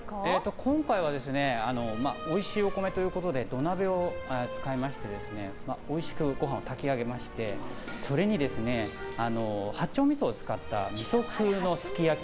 今回はおいしいお米ということで土鍋を使いましておいしくご飯を炊き上げましてそれに八丁みそを使ったみそ風のすき焼き。